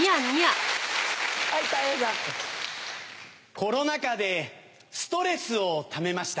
コロナ禍でストレスをためました。